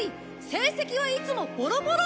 成績はいつもボロボロ。